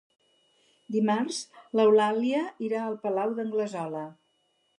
Dimarts n'Eulàlia irà al Palau d'Anglesola.